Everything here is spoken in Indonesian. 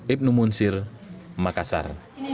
ibnu munsir makassar